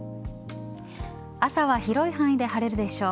朝は広い範囲で晴れるでしょう。